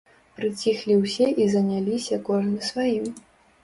Прыціхлі ўсе і заняліся кожны сваім.